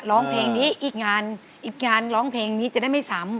ร้องเพลงนี้อีกงานอีกงานร้องเพลงนี้จะได้ไม่ซ้ำ